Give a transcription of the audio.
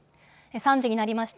３時になりました。